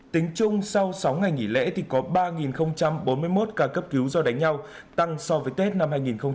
tính chung sau sáu ngày nghỉ lễ có ba bốn mươi một ca cấp cứu do đánh nhau tăng so với tết năm hai nghìn hai mươi hai